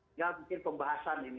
tinggal mungkin pembahasan ini